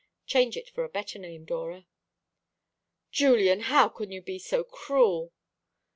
Change it for a better name, Dora." "Julian, how can you be so cruel?"